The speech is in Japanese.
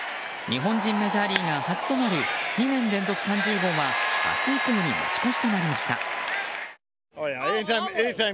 日本人メジャーリーガー初となる２年連続３０号は明日以降に持ち越しとなりました。